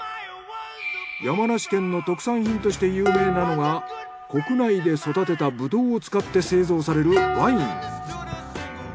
山梨県の特産品として有名なのが国内で育てたブドウを使って製造されるワイン。